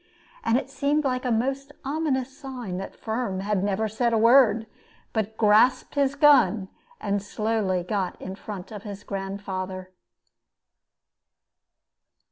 And it seemed a most ominous sign that Firm had never said a word, but grasped his gun, and slowly got in front of his grandfather.